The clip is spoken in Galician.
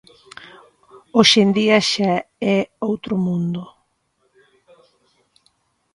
Hoxe en día xa é outro mundo.